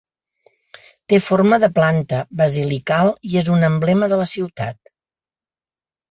Té forma de planta basilical i és un emblema de la ciutat.